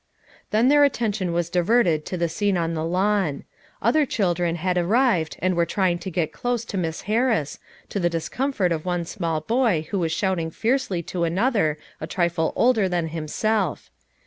Then their attention was diverted to the scene on the 274 FOUR MOTHERS AT CHAUTAUQUA lawn. Other children had arrived and were trying to get close to Miss Harris, to the dis comfort of one small boy who was shout ing fiercely to another a trifle older than him self.